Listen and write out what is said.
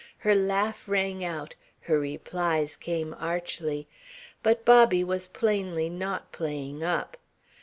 Her laugh rang out, her replies came archly. But Bobby was plainly not playing up.